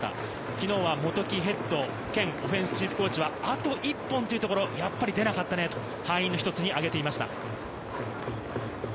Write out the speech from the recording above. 昨日は元木ヘッド兼オフェンスチーフコーチはあと１本というところ、やっぱり出なかったねと敗因の一つに挙げていました。